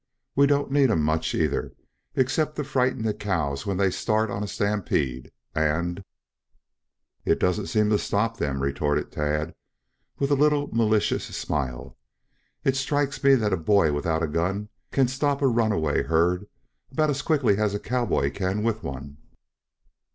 We don't need 'em much either, except to frighten the cows with when they start on a stampede, and " "It doesn't seem to stop them," retorted Tad, with a little malicious smile. "It strikes me that a boy without a gun can stop a runaway herd about as quickly as can a cowboy with one."